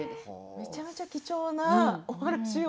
めちゃめちゃ貴重な話を。